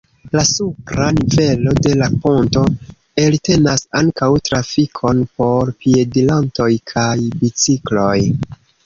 La supra nivelo de la ponto eltenas ankaŭ trafikon por piedirantoj kaj bicikloj.